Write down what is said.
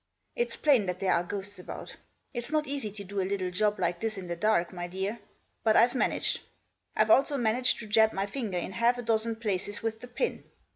It's plain that there are ghosts about. It's not easy to do a little job like this in the dark, my dear; but I've managed. I've also managed to jab my finger in half a dozen places with the pin.